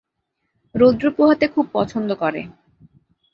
রৌদ্র পোহাতে খুব পছন্দ করে।